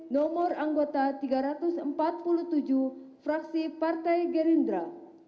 nomor anggota tiga ratus empat puluh tujuh fraksi partai gerindra